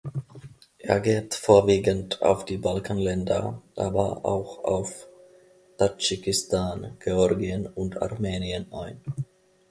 Er geht vorwiegend auf die Balkanländer, aber auch auf Tadschikistan, Georgien und Armenien ein.